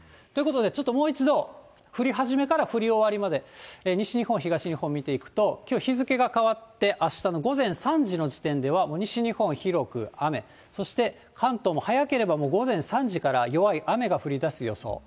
ということで、ちょっともう一度、降り始めから降り終わりまで、西日本、東日本、見ていくと、きょう、日付が変わって、あしたの午前３時の時点では、もう西日本広く雨、そして関東も早ければ、もう午前３時から弱い雨が降りだす予想。